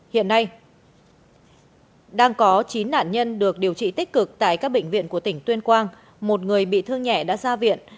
hiện nay đang có chín nạn nhân được điều trị tích cực tại các bệnh viện của tỉnh tuyên quang một người bị thương nhẹ đã ra viện